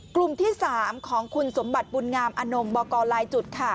กลุ่มที่๓ของคุณสมบัติบุญงามอนงบอกกรลายจุดค่ะ